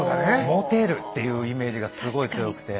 モテるっていうイメージがすごい強くて。